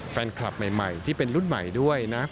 แฟนคลับใหม่ที่เป็นรุ่นใหม่ด้วยนะ